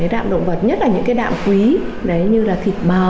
đạm động vật nhất là những đạm quý như là thịt mò